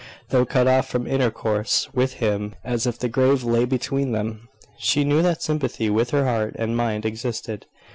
Though cut off from intercourse with him as if the grave lay between them, she knew that sympathy with her heart and mind existed.